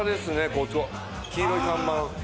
こっちの黄色い看板。